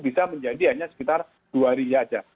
bisa menjadi hanya sekitar dua hari saja